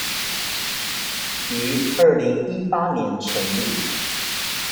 於二零一八年成立